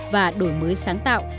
và đổi mới sáng tạo